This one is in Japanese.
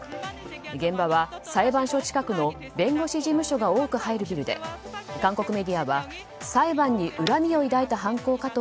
現場は裁判所近くの弁護士事務所が多く入るビルで韓国メディアは裁判に恨みを抱いた犯行かと